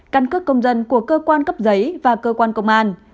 căn cước công dân của cơ quan cấp giấy và cơ quan công an